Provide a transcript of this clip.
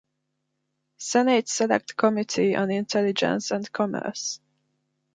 Senate Select Committee on Intelligence and Commerce.